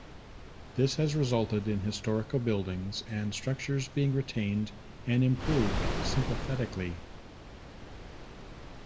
This has resulted in historical buildings and structures being retained and improved sympathetically.